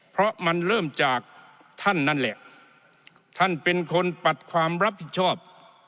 เพราะมันเริ่มจากท่านนั่นแหละท่านเป็นคนปัดความรับผิดชอบ